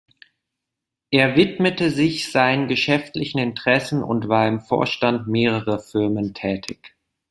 Er widmete sich seinen geschäftlichen Interessen und war im Vorstand mehrerer Firmen tätig.